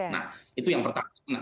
nah itu yang pertama